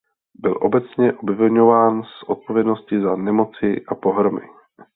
Byl obecně obviňován z odpovědnosti za nemoci a pohromy.